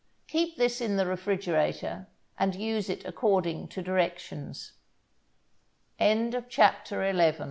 Keep this in the refrigerator, and use it according to directions. SWEETBREADS SWEETBR